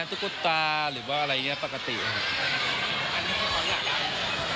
ตุ๊กตาหรือว่าอะไรปกติครับ